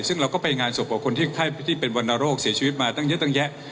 ซึ่งเราก็ไปงานศพของคนที่เป็นวรรณโรคเสียชีวิตมาตั้งเยอะตั้งแยะ